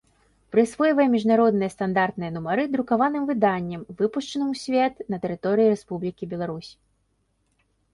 Прысвойвае мiжнародныя стандартныя нумары друкаваным выданням, выпушчаным у свет на тэрыторыi Рэспублiкi Беларусь.